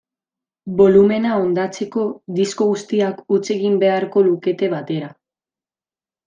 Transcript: Bolumena hondatzeko disko guztiak huts egin behar lukete batera.